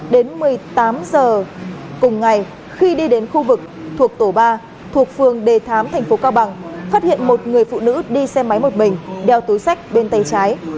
đến một mươi tám h cùng ngày khi đi đến khu vực thuộc tổ ba thuộc phường đề thám thành phố cao bằng phát hiện một người phụ nữ đi xe máy một mình đeo túi sách bên tay trái